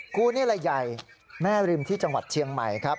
กูนี่แหละใหญ่แม่ริมที่จังหวัดเชียงใหม่ครับ